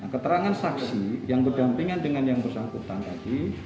keterangan saksi yang berdampingan dengan yang bersangkutan tadi